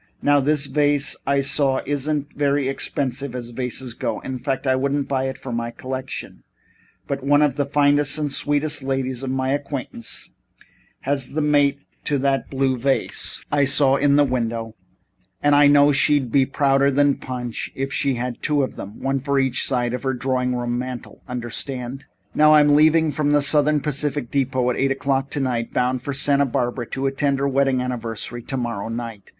Now, this vase I saw isn't very expensive as vases go in fact, I wouldn't buy it for my collection but one of the finest and sweetest ladies of my acquaintance has the mate to that blue vase I saw in the window, and I know she'd be prouder than Punch if she had two of them one for each side of her drawing room mantel, understand? "Now, I'm leaving from the Southern Pacific depot at eight o'clock tonight, bound for Santa Barbara to attend her wedding anniversary tomorrow night.